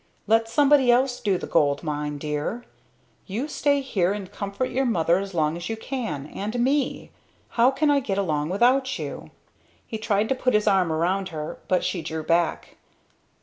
Let somebody else do the gold mine, dear you stay here and comfort your Mother as long as you can and me. How can I get along without you?" He tried to put his arm around her again, but she drew back.